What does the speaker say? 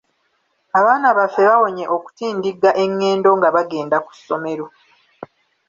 Abaana baffe bawonye okutindigga engendo nga bagenda ku ssomero.